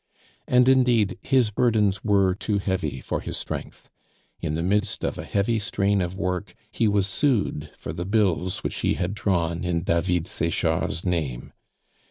And, indeed, his burdens were too heavy for his strength. In the midst of a heavy strain of work, he was sued for the bills which he had drawn in David Sechard's name.